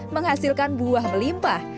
menghasilkan buah melimpah